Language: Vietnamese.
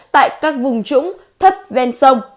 tại các vùng trũng thấp ven sông